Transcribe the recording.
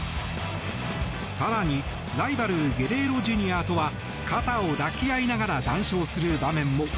更に、ライバルゲレーロＪｒ．とは肩を抱き合いながら談笑する場面も。